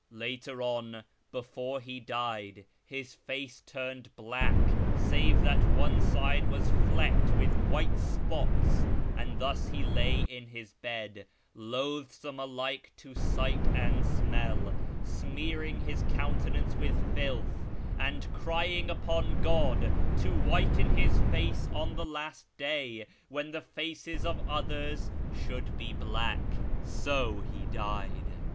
Later on, before he died, his face turned black, save that one side was flecked with white spots ; and thus he lay in his bed, loathsome alike to sight and smell, smearing his counte nance with filth, and crying upon God to whiten his face on the Last Day, when the faces of others should be black. So he died."